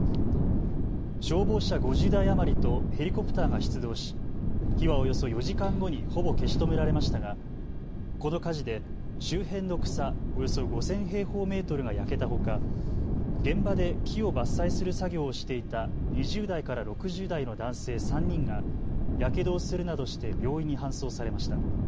消防車５０台余りとヘリコプターが出動し、火はおよそ４時間後にほぼ消し止められましたがこの火事で周辺の草およそ５０００平方メートルが焼けたほか、現場で木を伐採する作業をしていた２０代から６０代の男性３人がやけどをするなどして病院に搬送されました。